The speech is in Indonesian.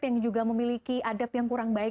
yang juga memiliki adab yang kurang baik